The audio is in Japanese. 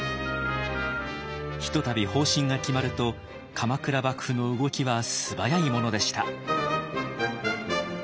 ひとたび方針が決まると鎌倉幕府の動きは素早いものでした。